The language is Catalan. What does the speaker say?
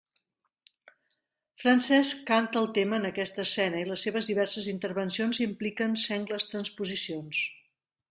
Francesc canta el tema en aquesta escena i les seves diverses intervencions impliquen sengles transposicions.